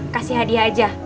kasih hadiah aja